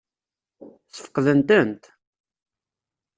Ssfeqden-tent?